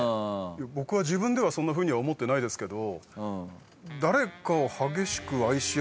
僕は自分ではそんなふうには思ってないですけど。